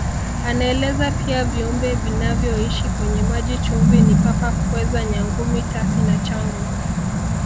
Anaeleza pia viumbe vinavyoishi kwenye maji chumvi ni Papa Pweza Nyangumi Tasi na Changu